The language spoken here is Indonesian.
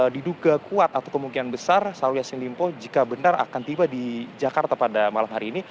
diduga kuat atau kemungkinan besar syahrul yassin limpo jika benar akan tiba di jakarta pada malam hari ini